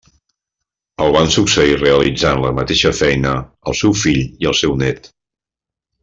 El van succeir realitzant la mateixa feina el seu fill i el seu nét.